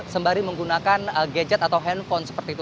sembari menggunakan gadget atau handphone seperti itu